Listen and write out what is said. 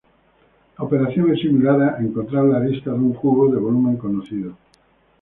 La operación es similar a encontrar la arista de un cubo de volumen conocido.